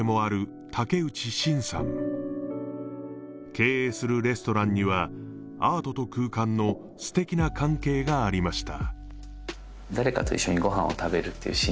経営するレストランにはアートと空間の素敵な関係がありました